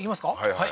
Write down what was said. はい